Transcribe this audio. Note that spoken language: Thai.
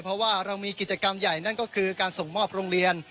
เพราะว่าเรามีกิจกรรมใหญ่นั่นก็คือการส่งมอบโรงเรียน